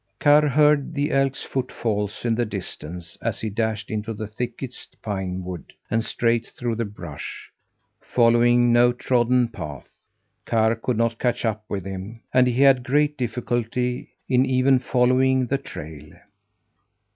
Karr heard the elk's footfalls in the distance, as he dashed into the thickest pine wood, and straight through the brush, following no trodden path. Karr could not catch up with him, and he had great difficulty in even following the trail.